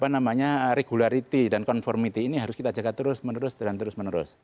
namanya regularity dan conformity ini harus kita jaga terus menerus dan terus menerus